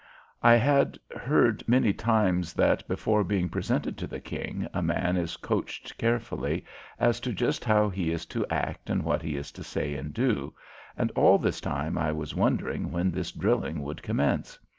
I had heard many times that before being presented to the King a man is coached carefully as to just how he is to act and what he is to say and do, and all this time I was wondering when this drilling would commence.